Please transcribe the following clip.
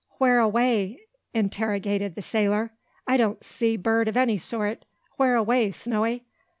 "Where away?" interrogated the sailor. "I don't see bird o' any sort. Where away, Snowy?"